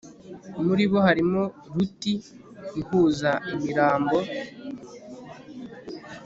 muri bo harimo ruti ihuza imirambo